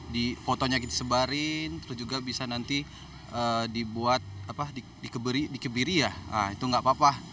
di fotonya kita sebarin terus juga bisa nanti dikebiri ya itu nggak apa apa